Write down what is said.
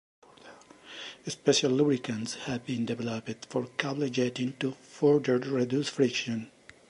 Special lubricants have been developed for cable jetting to further reduce friction.